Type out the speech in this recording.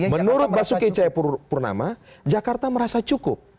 menurut basuki cahayapurnama jakarta merasa cukup